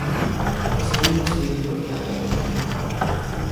El segundo es un libro que habla de un libro.